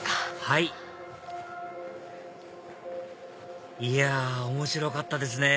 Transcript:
はいいや面白かったですね！